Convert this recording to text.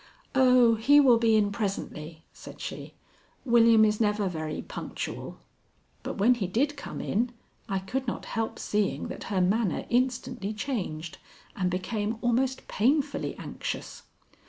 "Oh, he will be in presently," said she. "William is never very punctual." But when he did come in, I could not help seeing that her manner instantly changed and became almost painfully anxious.